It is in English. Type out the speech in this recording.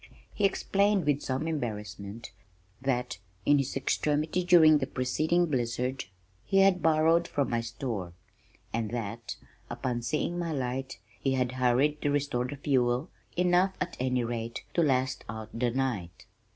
He explained with some embarrassment, that in his extremity during the preceding blizzard, he had borrowed from my store, and that (upon seeing my light) he had hurried to restore the fuel, enough, at any rate, to last out the night.